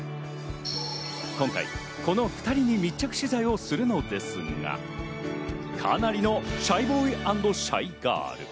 今回この２人に密着取材をするのですが、かなりのシャイボーイ＆シャイガール。